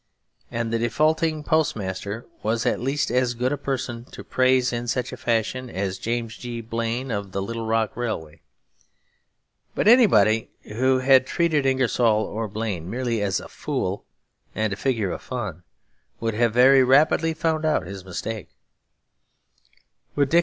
And the defaulting post master was at least as good a person to praise in such a fashion as James G. Blaine of the Little Rock Railway. But anybody who had treated Ingersoll or Blaine merely as a fool and a figure of fun would have very rapidly found out his mistake.